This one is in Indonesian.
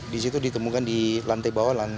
di situ ditemukan di lantai bawah